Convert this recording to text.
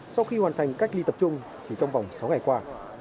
sau khi hoàn thành cách ly tập trung chỉ trong vòng sáu ngày qua